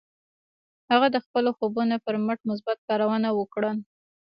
هغه د خپلو خوبونو پر مټ مثبت کارونه وکړل.